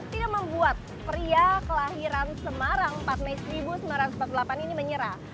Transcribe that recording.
tidak membuat pria kelahiran semarang empat mei seribu sembilan ratus empat puluh delapan ini menyerah